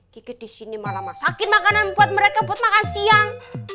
kiki disini malah masakin makanan buat mereka buat makan siang